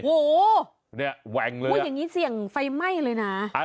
โอ้โฮว่าอย่างนี้เสี่ยงไฟไหม้เลยนะ